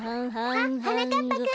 あっはなかっぱくん。